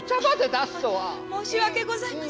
申し訳ございません。